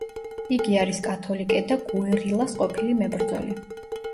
იგი არის კათოლიკე და „გუერილას“ ყოფილი მებრძოლი.